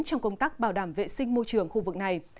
trong công tác bảo đảm vệ sinh môi trường khu vực này